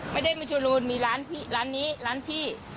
ไม่ได้มีชุดละมุนมีร้านนี้ร้านพี่